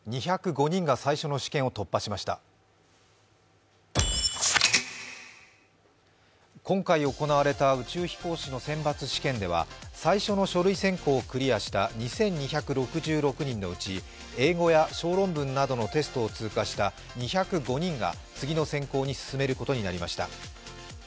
２０５人が最初の試験を突破しました今回行われた宇宙飛行士の選抜試験では最初の書類選考をクリアした２２６６人のうち英語や小論文などのテストを通過した２０５人が次の選考に進めることになりました。